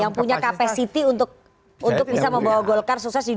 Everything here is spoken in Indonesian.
yang punya kapasitas untuk bisa membawa golkar sukses di dua ribu dua puluh empat